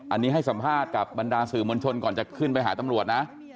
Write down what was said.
อันนี้ให้สัมภาษณ์กับบรรดาสื่อมวลชนก่อนจะขึ้นไปหาตำรวจนะ